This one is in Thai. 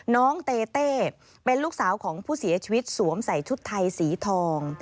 น้องเต้เป็นลูกสาวของผู้เสียชีวิตสวมใส่ชุดไทยสีทอง